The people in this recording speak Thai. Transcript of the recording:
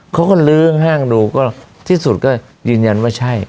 เขาก็ลื้อห้างดูก็ที่สุดก็ยืนยันว่าใช่